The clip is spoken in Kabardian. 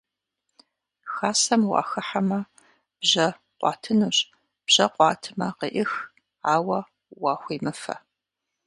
Хасэм уахыхьэмэ, бжьэ къуатынущ; бжьэ къуатмэ, къеӏых, ауэ уахуемыфэ.